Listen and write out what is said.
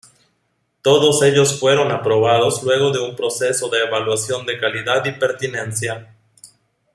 Todos ellos fueron aprobados luego de un proceso de evaluación de calidad y pertinencia.